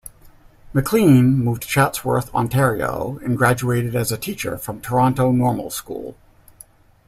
Maclean moved to Chatsworth, Ontario and graduated as a teacher from Toronto Normal School.